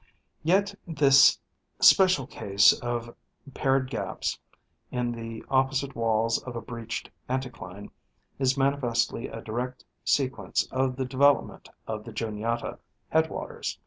Yet this special case of paired gaps in the opposite walls of a breached anticline is manifestly a direct sequence of the development of the Juniata headwaters.